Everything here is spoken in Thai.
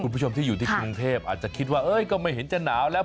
คุณผู้ชมที่อยู่ที่กรุงเทพอาจจะคิดว่าก็ไม่เห็นจะหนาวแล้ว